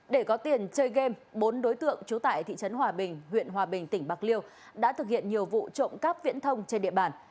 để có tiền chơi game bốn đối tượng trú tại thị trấn hòa bình huyện hòa bình tỉnh bạc liêu đã thực hiện nhiều vụ trộm cắp viễn thông trên địa bàn